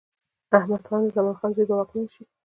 احمد خان د زمان خان زوی به واکمن شي.